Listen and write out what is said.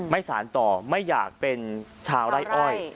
สารต่อไม่อยากเป็นชาวไร่อ้อย